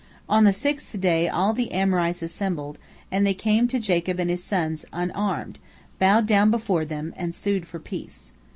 On the sixth day all the Amorites assembled, and they came to Jacob and his sons unarmed, bowed down before them, and sued for peace.